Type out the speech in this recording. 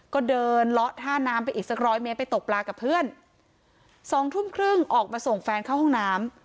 ก็เดินเลาะท่าน้ำไปอีกสักร้อยเมตรไปตกปลากับเพื่อนสองทุ่มครึ่งออกมาส่งแฟนเข้าห้องน้ำ